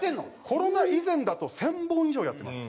コロナ以前だと１０００本以上やってます。